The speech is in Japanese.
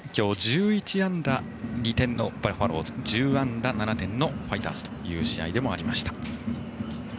１１安打２点のバファローズ１０安打７点のファイターズという試合でした。